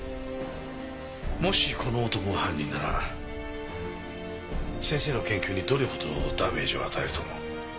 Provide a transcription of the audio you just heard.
もしこの男が犯人なら先生の研究にどれほどのダメージを与えると思う？